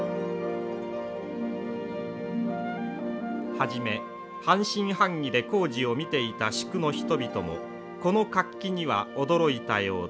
初め半信半疑で工事を見ていた宿の人々もこの活気には驚いたようです。